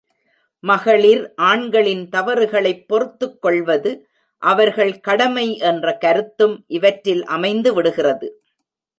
மகளிர் ஆண்களின் தவறுகளைப் பொறுத்துக் கொள்வது அவர்கள், கடமை என்ற கருத்தும் இவற்றில் அமைந்து விடுகிறது.